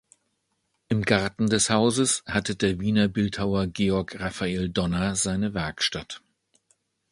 Im Garten des Hauses hatte der Wiener Bildhauer Georg Raphael Donner seine Werkstatt.